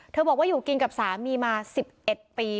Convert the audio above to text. บอกว่าอยู่กินกับสามีมา๑๑ปี